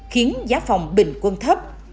khiến giá phòng bình quân thấp